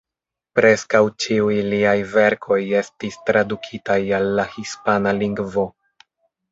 Preskaŭ ĉiuj liaj verkoj estis tradukitaj al la hispana lingvo.